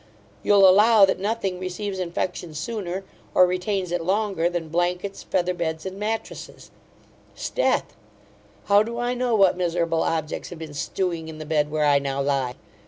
You'll allow, that nothing receives infection sooner, or retains it longer, than blankets, feather beds, and matrasses 'Sdeath! how do I know what miserable objects have been stewing in the bed where I now lie!